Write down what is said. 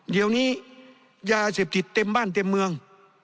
เดี๋ยวนี้ยาเสพติดเต็มบ้านเต็มเมือง